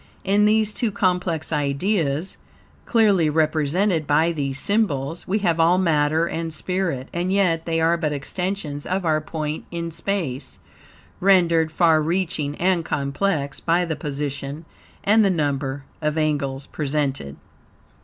In these two complex ideas, clearly represented by these symbols, we have ALL matter and spirit; and yet they are but extensions of our point in space, rendered far reaching and complex, by the position and the number of angles presented.